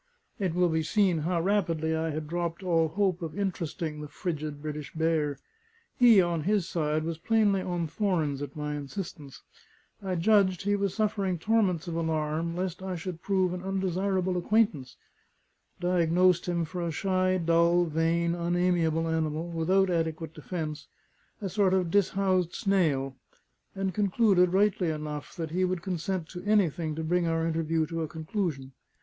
It will be seen how rapidly I had dropped all hope of interesting the frigid British bear. He, on his side, was plainly on thorns at my insistence; I judged he was suffering torments of alarm lest I should prove an undesirable acquaintance; diagnosed him for a shy, dull, vain, unamiable animal, without adequate defence a sort of dishoused snail; and concluded, rightly enough, that he would consent to anything to bring our interview to a conclusion.